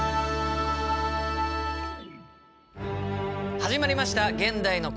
始まりました「現代の国語」。